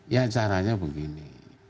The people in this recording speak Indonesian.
ya caranya begini